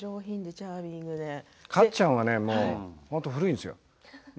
かっちゃんは本当に古いんですよ。